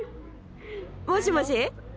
もしもし？